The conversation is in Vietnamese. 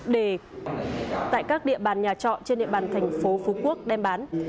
để tại các địa bàn nhà trọ trên địa bàn tp phú quốc đem bán